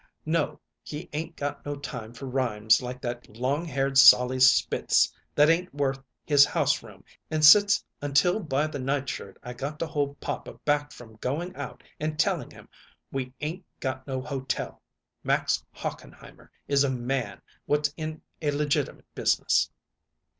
"No; he 'ain't got no time for rhymes like that long haired Sollie Spitz, that ain't worth his house room and sits until by the nightshirt I got to hold papa back from going out and telling him we 'ain't got no hotel! Max Hochenheimer is a man what's in a legitimate business."